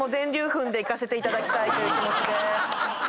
いかせていただきたいという気持ちで。